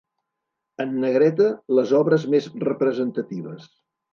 En negreta, les obres més representatives.